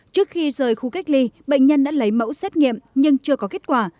trước khi rời khu cách ly bệnh nhân đã lấy mẫu xét nghiệm nhưng chưa có kết quả